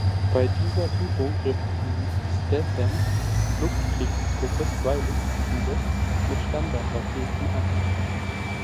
Bei dieser Übung griff die „Stethem“ Luftkriegstruppe zwei Luftziele mit Standardraketen an.